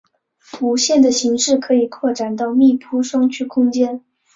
无限的形式可以扩展到密铺双曲空间。